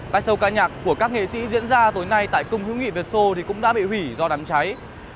bài sâu ca nhạc của các nghệ sĩ diễn ra tối nay tại công văn hóa lao động hiệu nghị việt sô cũng đã bị hủy do đám cháy